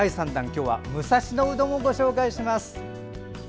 今日は武蔵野うどんをご紹介します。